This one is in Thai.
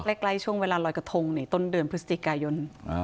ใกล้ช่วงเวลาลอยกระทงในต้นเดือนพฤศจิกายน